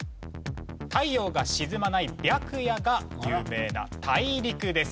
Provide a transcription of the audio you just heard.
太陽が沈まない白夜が有名な大陸です。